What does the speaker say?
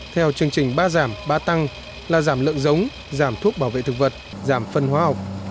theo chương trình ba giảm ba tăng là giảm lượng giống giảm thuốc bảo vệ thực vật giảm phân hóa học